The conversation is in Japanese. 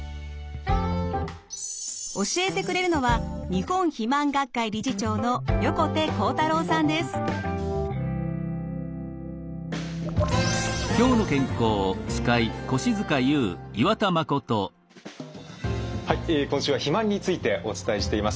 教えてくれるのははい今週は「肥満」についてお伝えしています。